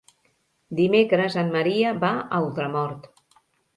Dimecres en Maria va a Ultramort.